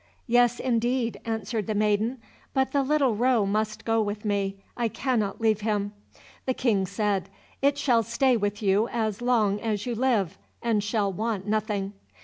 "Yes, indeed," answered the maiden, "but the little roe must go with me, I cannot leave him." The King said, "It shall stay with you as long as you live, and shall want nothing."